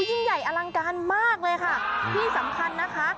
ยิ่งใหญ่อลังการมากเลยค่ะที่สำคัญนะคะ